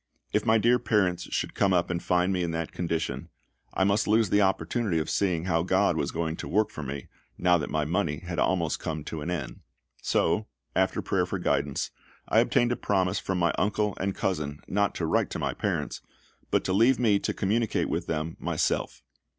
If my dear parents should come up and find me in that condition, I must lose the opportunity of seeing how GOD was going to work for me, now that my money had almost come to an end. So, after prayer for guidance, I obtained a promise from my uncle and cousin not to write to my parents, but to leave me to communicate with them myself.